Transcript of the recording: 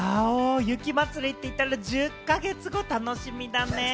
「雪まつり」って言ったら１０か月後、楽しみだね！